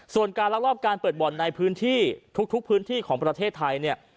ส่วนการลักลอบการเปิดบ่อนในพื้นที่ทุกพื้นที่ของประเทศไทยเนี่ย